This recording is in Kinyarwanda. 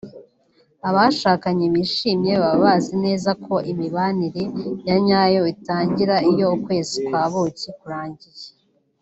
Abashakanye bishimye baba bazi neza ko imibanire ya nyayo itangira iyo ukwezi kwa buki kurangiye